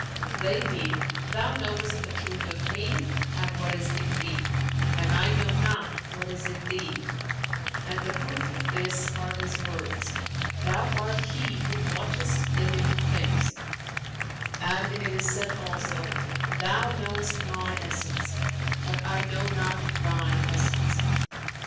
[FN#379] "They mean, 'Thou knowest the truth of me and what is in me, and I know not what is in Thee;' and the proof of this are His words,[FN#380] 'Thou art He who wottest the hidden things'; and it is said, also, 'Thou knowest my essence, but I know not Thine essence.'"